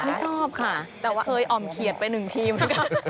ไม่ชอบค่ะเคยอ่อมเขียดไปหนึ่งทีมั้ย